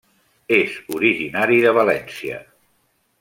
És originari de València.